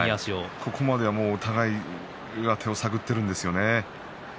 ここまではお互い上手を探っているんですよね。